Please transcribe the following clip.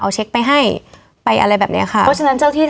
ใช่ค่ะ